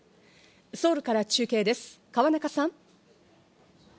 ソウルから中継です、河中さん。